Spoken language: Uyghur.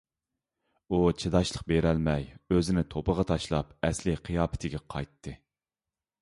ئۇ چىداشلىق بېرەلمەي ئۆزىنى توپىغا تاشلاپ ئەسلىي قىياپىتىگە قايتتى.